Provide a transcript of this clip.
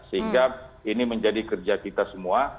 sehingga ini menjadi kerja kita semua